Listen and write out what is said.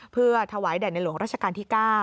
เพื่อถวายแด่ในหลวงราชการที่๙